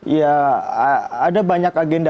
ya ada banyak agenda